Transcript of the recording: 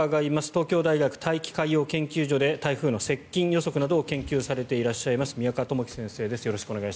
東京大学大気海洋研究所で台風の接近予測などを研究されていらっしゃいます宮川知己先生です。